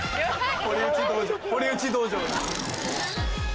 堀内道場。